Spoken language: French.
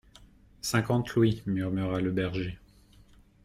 Cinquante louis ! murmura le berger.